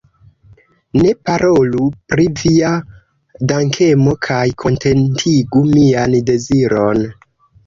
Ne parolu pri via dankemo, kaj kontentigu mian deziron.